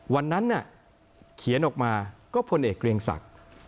วันนั้นเขียนออกมาก็พลเอกเกรียงศักดิ์